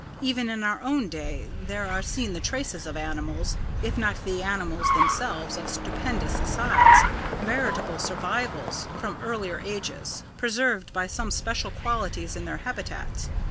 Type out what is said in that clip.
Even in our own day there are seen the traces of animals, if not the animals themselves, of stupendous size veritable survivals from earlier ages, preserved by some special qualities in their habitats.